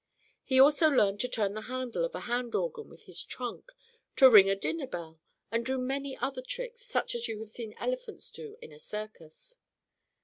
He also learned to turn the handle of a hand organ with his trunk, to ring a dinner bell, and do many other tricks, such as you have seen elephants do in a circus.